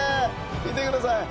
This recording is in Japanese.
見てください。